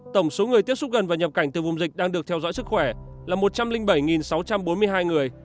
tổng số người tiếp xúc gần và nhập cảnh từ vùng dịch đang được theo dõi sức khỏe là một trăm linh bảy sáu trăm bốn mươi hai người